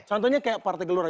contohnya kayak partai gelora